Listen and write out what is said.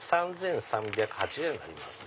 ３３８０円になります。